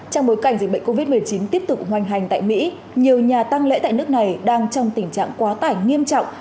trong bối cảnh dịch bệnh covid một mươi chín tiếp tục hoành hành tại mỹ nhiều nhà tăng lễ tại nước này đang trong tình trạng quá tải nghiêm trọng